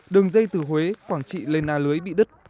đường dây từ huế quảng trị lên a lưới bị đứt